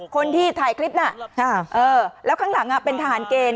คนที่ถ่ายคลิปน่ะเออแล้วข้างหลังเป็นทหารเกณฑ์